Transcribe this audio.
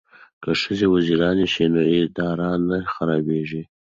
که ښځې وزیرانې شي نو اداره نه خرابیږي.